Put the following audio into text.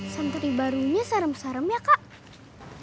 santri barunya serem serem ya kak